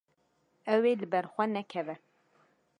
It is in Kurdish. Ew ê li ber xwe nekeve.